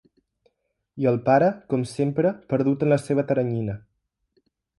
I el pare, com sempre, perdut en la seva teranyina.